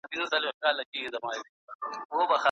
هغوی به د خپلو شرايطو په اړه خبري وکړي.